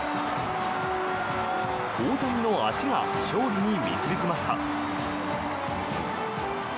大谷の足が勝利に導きました。